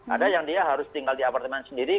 ada yang dia harus tinggal di apartemen sendiri